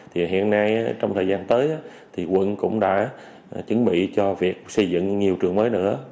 thì hiện nay trong thời gian tới thì quận cũng đã chuẩn bị cho việc xây dựng nhiều trường mới nữa